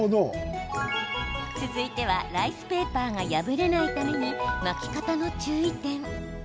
続いては、ライスペーパーが破れないために、巻き方の注意点。